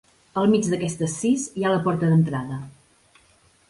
Al mig d'aquestes sis hi ha la porta d'entrada.